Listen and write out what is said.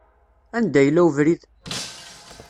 Anda yella webrid?